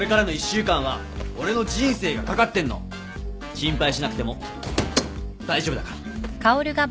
心配しなくても大丈夫だから。